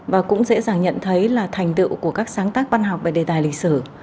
và cũng dễ dàng nhận thấy là thành tựu của các sáng tác văn học về đề tài lịch sử